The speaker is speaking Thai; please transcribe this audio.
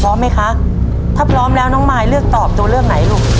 พร้อมไหมคะถ้าพร้อมแล้วน้องมายเลือกตอบตัวเลือกไหนลูก